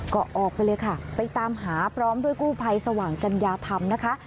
ก็ออกไปเลยค่ะไปตามหาพร้อมด้วยกู้ภัยสว่างจัญญาธรรมนะคะ